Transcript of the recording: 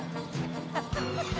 ハハハハ！